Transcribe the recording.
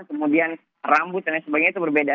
kemudian rambut dan lain sebagainya itu berbeda